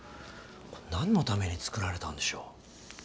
何のために作られたんでしょう？